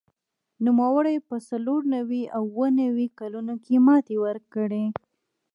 نوموړي په څلور نوي او اووه نوي کلونو کې ماتې ورکړې